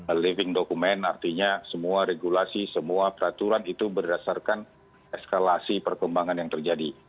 a living document artinya semua regulasi semua peraturan itu berdasarkan eskalasi perkembangan yang terjadi